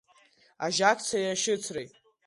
Ажьакцеи ашьыцреи…